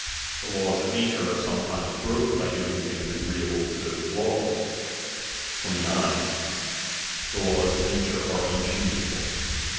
The laws of nature are sometimes ^^Hbroke by doing things agreeable to those laws. 29. The ^^^P&WB of nature are unchangeable.